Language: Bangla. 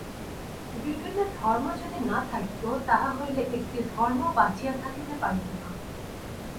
বিভিন্ন ধর্ম যদি না থাকিত, তাহা হইলে একটি ধর্মও বাঁচিয়া থাকিতে পারিত না।